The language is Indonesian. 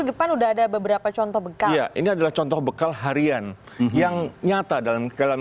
depan udah ada beberapa contoh bekal ini adalah contoh bekal harian yang nyata dalam